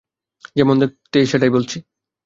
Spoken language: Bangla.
যেমন দেখতে সেটাই বলছি!